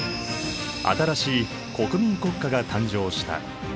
新しい国民国家が誕生した。